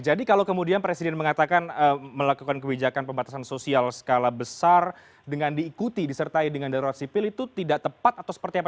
jadi kalau kemudian presiden mengatakan melakukan kebijakan pembatasan sosial skala besar dengan diikuti disertai dengan darurat sipil itu tidak tepat atau seperti apa